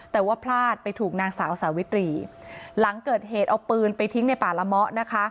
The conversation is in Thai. แต่ว่าพลาดไปถูกนางสาวสาวิตรีหลังเกิดเหตุเอาปืนไปทิ้งในป่าละเมาะนะคะ